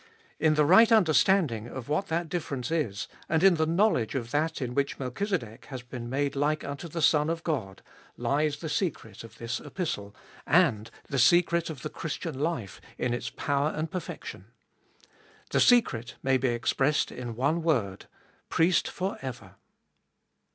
In the right understanding of what that difference is, and in the knowledge of that in which Melchizedek has been made like unto the Son of God, lies the secret of this Epistle, 228 Gbe Dollest of 2111 and the secret of the Christian life in its power and perfection. The secret may be expressed in one word — PRIEST FOR EVER.